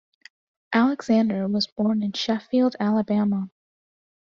Alexander was born in Sheffield, Alabama.